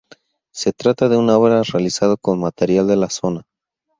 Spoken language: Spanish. Se trata de una obra realizada con material de la zona.